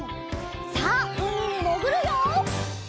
さあうみにもぐるよ！